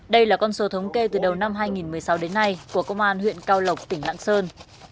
đây là con số thống kê từ đầu năm hai nghìn một mươi sáu đến nay của công an